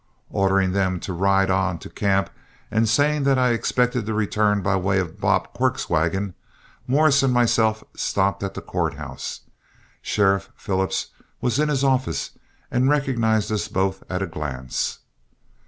Ordering them to ride on to camp, and saying that I expected to return by way of Bob Quirk's wagon, Morris and myself stopped at the court house. Sheriff Phillips was in his office and recognized us both at a glance.